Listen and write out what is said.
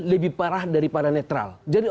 lebih parah daripada netral jadi